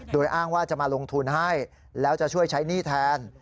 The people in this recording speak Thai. โดยอ้างว่าจะมาลงทุนให้แล้วจะช่วยใช้หนี้แทน